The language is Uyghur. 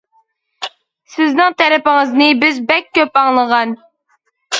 سىزنىڭ تەرىپىڭىزنى بىز بەك كۆپ ئاڭلىغان.